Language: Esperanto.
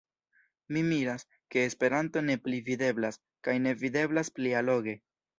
Mi miras, ke Esperanto ne pli videblas, kaj ne videblas pli alloge.